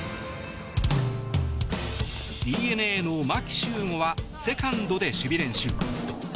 ＤｅＮＡの牧秀悟はセカンドで守備練習。